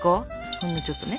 ほんのちょっとね。